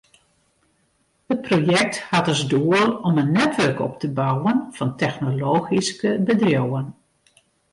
It projekt hat as doel om in netwurk op te bouwen fan technologyske bedriuwen.